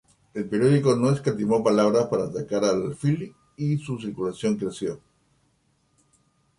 El periódico no escatimó palabras para atacar al alfil, y su circulación creció.